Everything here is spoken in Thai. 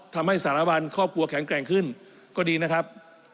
ทำให้สารวัลครอบครัวแข็งแกร่งขึ้นก็ดีนะครับ